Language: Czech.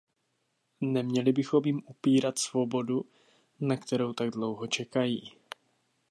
Neměli bychom jim upírat svobodu, na kterou tak dlouho čekají.